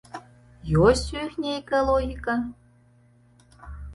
Ёсць у іх нейкая логіка?